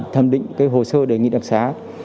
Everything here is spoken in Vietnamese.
thẩm định hồ sơ đề nghị đặc xá